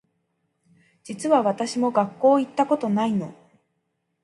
実は私も学校行ったことないの